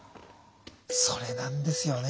それなんですよね。